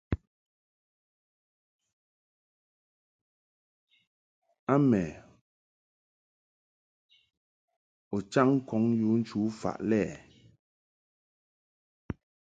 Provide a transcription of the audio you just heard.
A mɛ u chaŋ ŋkɔŋ yu nchu faʼ lɛ.